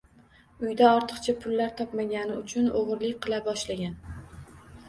Uyda ortiqcha pullar topmagani uchun o‘g‘rilik qila boshlagan.